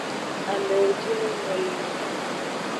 Amewo jino nyo le ngu.